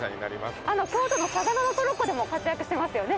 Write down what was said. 京都の嵯峨野のトロッコでも活躍してますよね